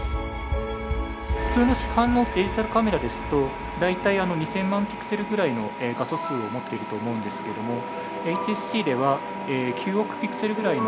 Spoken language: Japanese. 普通の市販のデジタルカメラですと大体２，０００万ピクセルぐらいの画素数を持っていると思うんですけれどもＨＳＣでは９億ピクセルぐらいの画素数を持っています。